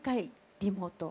リモートを。